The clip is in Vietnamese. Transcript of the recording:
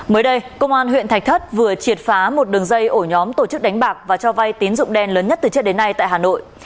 mới đây công an huyện thạch thất vừa triệt phá một đường dây ổ nhóm tổ chức đánh bạc và cho vay tín dụng đen lớn nhất từ trước đến nay tại hà nội